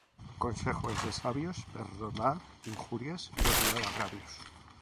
Consejo es de sabios perdonar injurias y olvidar agravios.